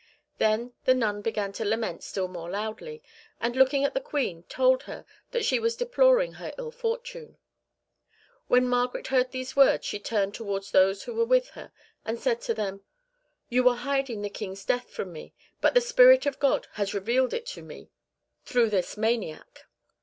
Then the nun began to lament still more loudly, and looking at the Queen, told her that she was deploring her ill fortune. When Margaret heard these words she turned towards those who were with her, and said to them, 'You were hiding the King's death from me, but the Spirit of God has revealed it to me through this maniac.